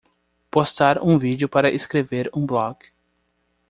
Postar um vídeo para escrever um blog